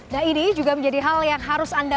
nah ini juga menjadi hal yang harus anda